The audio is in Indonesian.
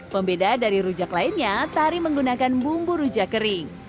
pembeda dari rujak lainnya tari menggunakan bumbu rujak kering